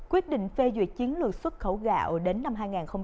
quyết định phê duyệt chiến lược xuất khẩu gạo đến năm hai nghìn ba mươi